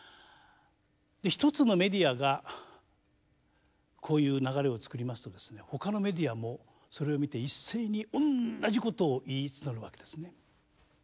一つのメディアがこういう流れを作りますとほかのメディアもそれを見て一斉におんなじことを言いつのるわけですね。